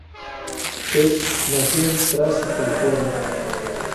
Dev nació en Tracy, California.